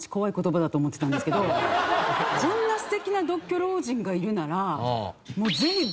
こんな素敵な独居老人がいるなら。